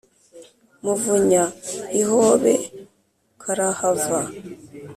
Muvunya ihobe karahava,